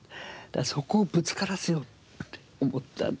そこをぶつからせようって思ったんです。